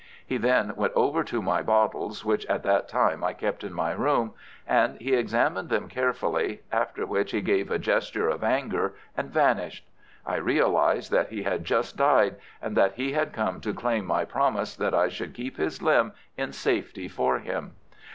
He then went over to my bottles, which at that time I kept in my room, and he examined them carefully, after which he gave a gesture of anger and vanished. I realized that he had just died, and that he had come to claim my promise that I should keep his limb in safety for him.